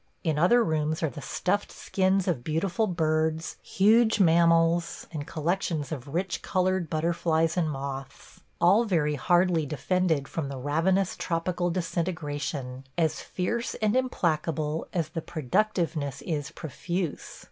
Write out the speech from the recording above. In other rooms are the stuffed skins of beautiful birds, huge mammals, and collections of rich colored butterflies and moths – all very hardly defended from the ravenous tropical disintegration, as fierce and implacable as the productiveness is profuse.